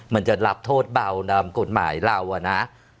มันจะรับโทษเบานำกฎหมายเราอะนะ